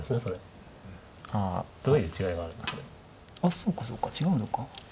そうかそうか違うのか。